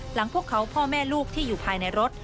พวกเขาพ่อแม่ลูกที่อยู่ภายในรถ